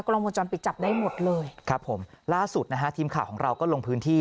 กล้องวงจรปิดจับได้หมดเลยครับผมล่าสุดนะฮะทีมข่าวของเราก็ลงพื้นที่